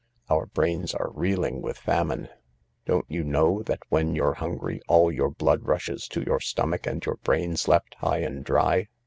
Our brains are reeling with famine. Don't you know when you're hungry all your blood rushes to your stomach and your brain's left high and dry